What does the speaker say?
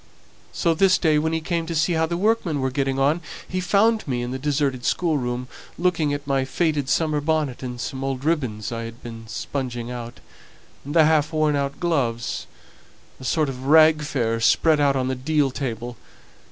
So this day, when he came to see how the workmen were getting on, he found me in the deserted schoolroom, looking at my faded summer bonnet and some old ribbons I had been sponging, and half worn out gloves a sort of rag fair spread out on the deal table.